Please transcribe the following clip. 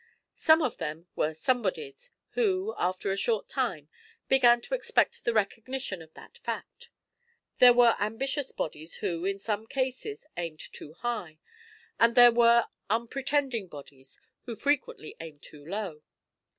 Some of them were somebodies who, after a short time, began to expect the recognition of that fact. There were ambitious bodies who, in some cases, aimed too high, and there were unpretending bodies who frequently aimed too low.